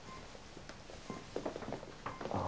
ああ。